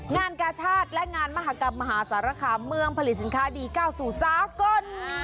งานกาชาติและงานมหากรรมมหาสารคามเมืองผลิตสินค้าดีก้าวสู่สากล